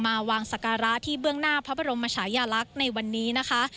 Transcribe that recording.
มาวางสการะที่เบื้องหน้าพระบรมชายาลักษณ์ในวันนี้นะคะ